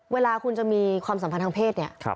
เวลาคุณจะมีความสัมพันธ์ทางเพศเนี่ย